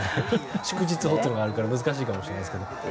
祝日法っていうのがあるから難しいかもしれないですけど。